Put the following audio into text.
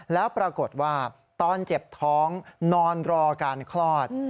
แล้วปรากฏว่าตอนเจ็บท้องนอนรอการคลอด